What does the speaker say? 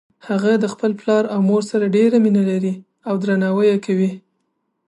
هغه د خپل پلار او مور سره ډیره مینه لری او درناوی یی کوي